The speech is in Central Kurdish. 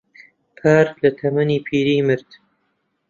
پار لە تەمەنی پیری مرد.